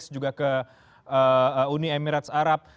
juga ke uni emirat arab